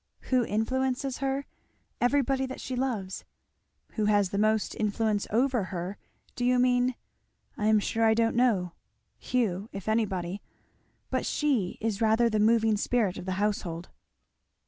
"Who influences her? Everybody that she loves. Who has the most influence over her, do you mean? I am sure I don't know Hugh, if anybody, but she is rather the moving spirit of the household."